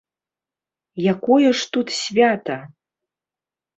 Якое ж тут свята?!